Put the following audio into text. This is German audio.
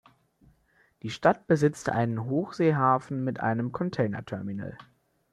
Die Stadt besitzt einen Hochseehafen mit einem Container-Terminal.